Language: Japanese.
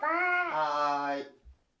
はい。